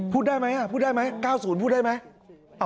พูดได้ไหมพูดได้ไหม๙๐พูดได้ไหม